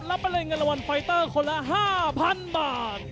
รับไปเลยเงินรางวัลไฟเตอร์คนละ๕๐๐๐บาท